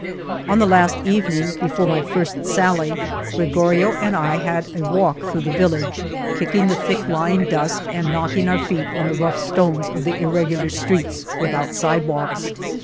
On the last evening before my first sally, Gregorio and I had a walk through the vil lage, kicking the thick lying dust and knock ing our feet on the rough stones of the ir regular streets without sidewalks.